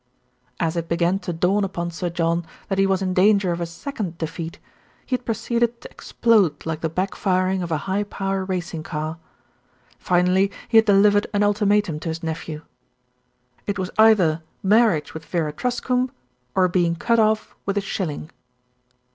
As it began to dawn upon Sir John that he was in danger of a second defeat, he had proceeded to explode like the back firing of a high power racing car. Finally he had delivered an ultimatum to his nephew. It was either marriage with Vera Truscombe, or being cut off with a shilling.